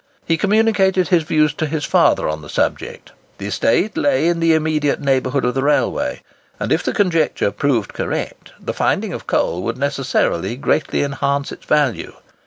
He communicated his views to his father on the subject. The estate lay in the immediate neighbourhood of the railway; and if the conjecture proved correct, the finding of coal would necessarily greatly enhance its value.